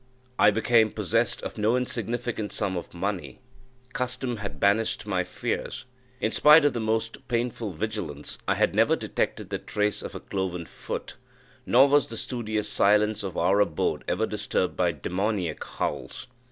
I became possessed of no insignificant sum of money. Custom had banished my fears. In spite of the most painful vigilance, I had never detected the trace of a cloven foot; nor was the studious silence of our abode ever disturbed by demoniac howls.